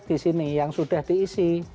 ada disini yang sudah diisi